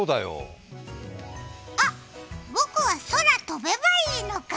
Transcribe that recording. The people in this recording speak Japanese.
あっ、僕は空を飛べばいいのか。